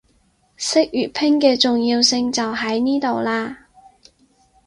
識粵拼嘅重要性就喺呢度喇